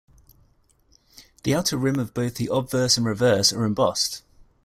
The outer rim of both the obverse and reverse are embossed.